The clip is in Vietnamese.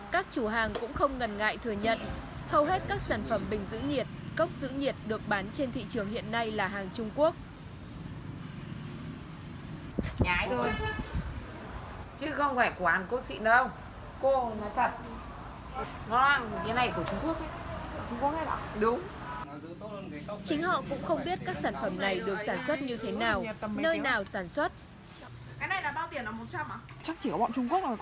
các chủ hàng cũng không ngại thừa nhận hầu hết các sản phẩm bình giữ nhiệt được bán trên thị trường hiện nay là hàng trung quốc